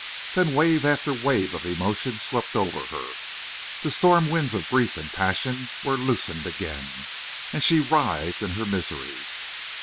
Then wave after wave of emotion swept over her. The storm winds of grief and passion were loosened again. And she writhed in her misery.